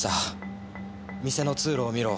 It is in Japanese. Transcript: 「店の通路を見ろ。